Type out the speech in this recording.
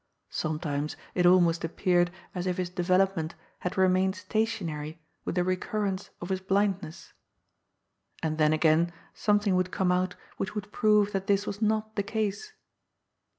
Sometimes it almost appeared as if his deyelopment had remained station ary with the recurrence of his blindness. And then again something would come out which would prove that this was not the case.